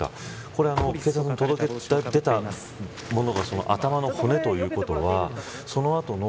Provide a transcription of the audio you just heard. これは警察に届け出たものが頭の骨ということはその後の